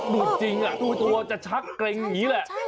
ดูดจริงดูตัวจะชักเกร็งอย่างนี้แหละ